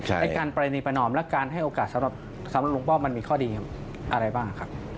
ในการปรณีประนอมและการให้โอกาสสำหรับลุงป้อมมันมีข้อดีอะไรบ้างครับ